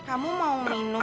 kamu mau minum banget